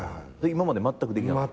今までまったくできなかった？